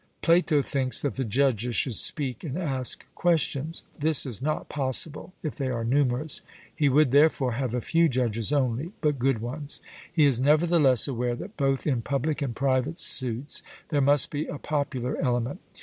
Plato thinks that the judges should speak and ask questions: this is not possible if they are numerous; he would, therefore, have a few judges only, but good ones. He is nevertheless aware that both in public and private suits there must be a popular element.